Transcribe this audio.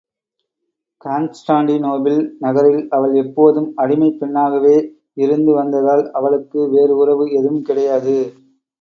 Constantinople நகரில் அவள் எப்போதும் அடிமைப் பெண்ணாகவே இருந்து வந்ததால் அவளுக்கு வேறு உறவு எதுவும் கிடையாது.